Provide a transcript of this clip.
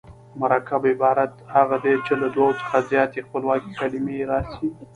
مرکب عبارت هغه دﺉ، چي له دوو څخه زیاتي خپلواکي کلیمې راسي.